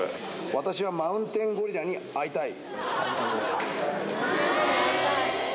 「私はマウンテンゴリラに会いたい」